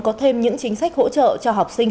có thêm những chính sách hỗ trợ cho học sinh